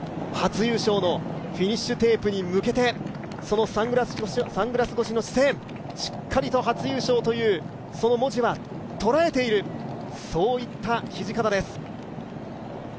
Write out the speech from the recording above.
栄光の初優勝のフィニッシュテープに向けてそのサングラス越しの視線、しっかりと初優勝というその文字は捉えている、そういった土方です。